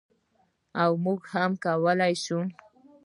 او موږ هم کولی شو.